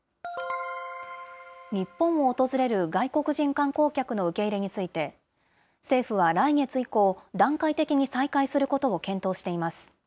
日本を訪れる外国人観光客の受け入れについて、政府は政府は来月以降、段階的に再開することを検討しています。